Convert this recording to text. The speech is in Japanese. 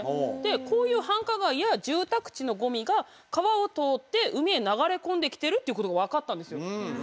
こういう繁華街や住宅地のごみが川を通って海へ流れ込んできてるっていうことが分かったんですよ。